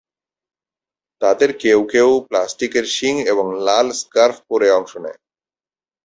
তাদের কেউ কেউ প্লাস্টিকের শিং এবং লাল স্কার্ফ পরে অংশ নেয়।